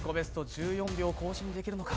１４秒、更新できるのか。